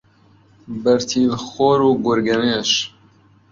بەرتیل خۆر و گورگەمێش